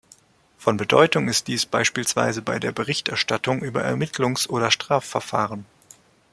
Von Bedeutung ist dies beispielsweise bei der Berichterstattung über Ermittlungs- oder Strafverfahren.